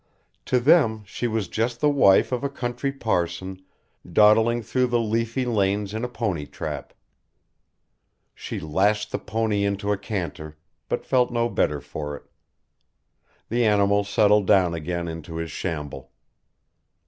To them she was just the wife of a country parson dawdling through the leafy lanes in a pony trap. She lashed the pony into a canter, but felt no better for it. The animal settled down again into his shamble.